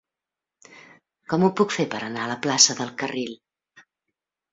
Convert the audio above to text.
Com ho puc fer per anar a la plaça del Carril?